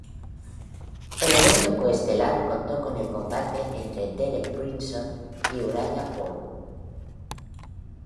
El evento co-estelar contó con el combate entre Derek Brunson y Uriah Hall.